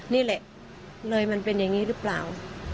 นี่แหละเลยมันเป็นอย่างนี้หรือเปล่า